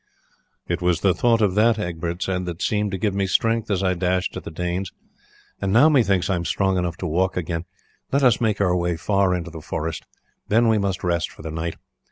"It was the thought of that," Egbert said, "that seemed to give me strength as I dashed at the Danes. And now, methinks, I am strong enough to walk again. Let us make our way far into the forest, then we must rest for the night.